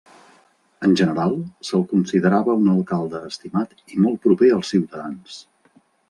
En general, se'l considerava un alcalde estimat i molt proper als ciutadans.